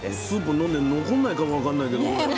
スープ飲んで残んないかもわかんないけど。